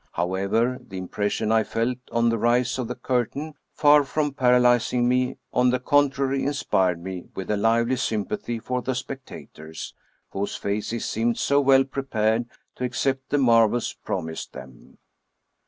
How ever, the impression I felt on the rise of the curtain, far from paralyzing me, on the contrary inspired me with a lively sympathy for the spectators, whose faces seemed so well prepared to accept the marvels promised them.